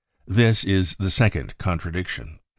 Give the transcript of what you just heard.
This is the second contradiction.